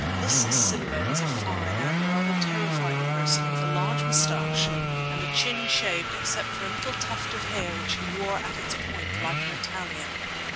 This Simba was a fine and rather terrifying person with a large moustache and a chin shaved except for a little tuft of hair which he wore at its point like an Italian.